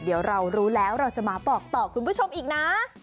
เดี๋ยวเรารู้แล้วเราจะมาบอกต่อคุณผู้ชมอีกนะ